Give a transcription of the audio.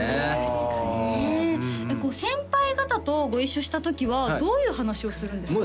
確かにねこう先輩方とご一緒したときはどういう話をするんですか？